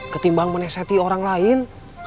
ketimbang menesati orang lain